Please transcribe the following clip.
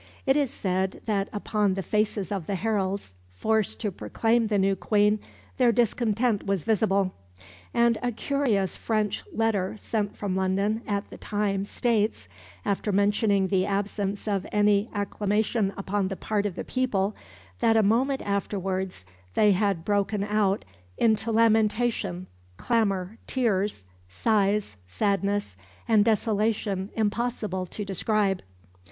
It is said that upon the faces of the heralds forced to proclaim the new Queen their discontent was visible; and a curious French letter sent from London at the time states, after mentioning the absence of any acclamation upon the part of the people, that a moment afterwards they had broken out into lamentation, clamour, tears, sighs, sadness, and desolation impossible to describe.